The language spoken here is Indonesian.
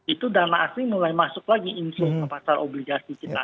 itu dana asing mulai masuk lagi inflow ke pasar obligasi kita